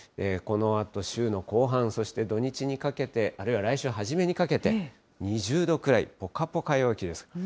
このあと週の後半、そして土日にかけて、あるいは来週初めにかけて、２０度くらい、ぽかぽか陽気です。